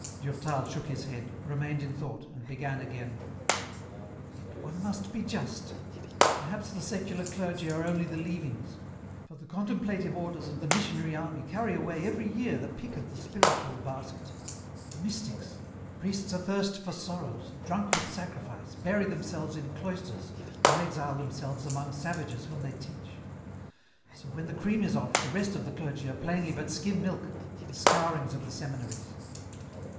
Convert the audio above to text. Durtal shook his head, remained in thought, and began again,— " Yet one must be just ; perhaps the secular clergy are only the leavings, for the contemplative orders and the missionary army carry away every year the pick of the spiiitual basket ; the mystics, priests athirst for sorrows, drunk with sacrifice, bury themselves in cloisters or exile themselves among savages whom they teach. So when the 38 EN ROUTE. cream is off, the rest of the clergy are plainly but skim milk, the scourings of the seminaries.